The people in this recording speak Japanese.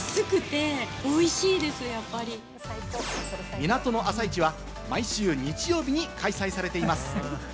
港の朝市は毎週日曜日に開催されています。